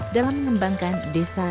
dalam mengembangkan desa